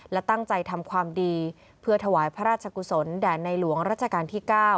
และตั้งใจทำความดีเพื่อถวายพระราชกุศลแด่ในหลวงรัชกาลที่๙